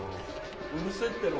うるせえっての？